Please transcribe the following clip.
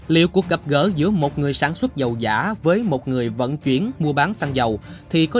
liệu cuộc gặp gỡ giữa một người sản xuất dầu giả với một người vận chuyển mua bán xăng dầu thì có điều gì phía sau